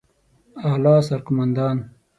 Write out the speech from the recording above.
اعلى سرقومندان